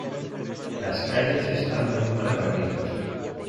Las calles están muy mal barridos.